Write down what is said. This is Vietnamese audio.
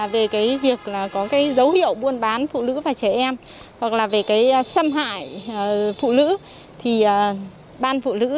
về việc có dấu hiệu buôn bán phụ nữ và trẻ em hoặc là về xâm hại phụ nữ thì ban phụ nữ